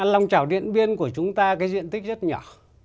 lòng trào điện biên của chúng ta cái diện tích rất nhỏ